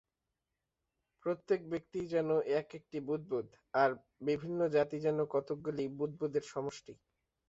প্রত্যেক ব্যক্তিই যেন এক-একটি বুদ্বুদ, আর বিভিন্ন জাতি যেন কতকগুলি বুদ্বুদের সমষ্টি।